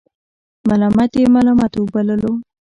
ملامت یې ملامت وبللو.